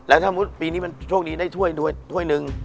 แล้วถ้าปีนี้มันโชคดีได้ถ้วยหนึ่ง